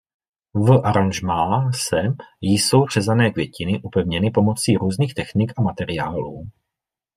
V aranžmá se jsou řezané květiny upevněny pomocí různých technik a materiálů.